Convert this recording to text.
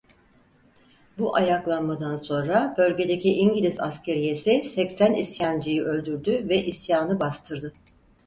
Bu ayaklanmadan sonra bölgedeki İngiliz askeriyesi seksen isyancıyı öldürdü ve isyanı bastırdı.